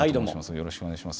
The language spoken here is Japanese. よろしくお願いします。